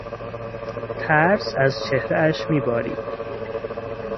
ترس از چهرهاش میبارید.